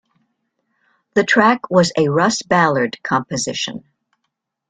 The track was a Russ Ballard composition.